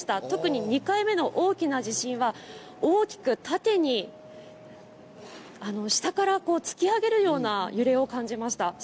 特に２回目の大きな地震は大きく縦に下から突き上げるような揺れを感じました。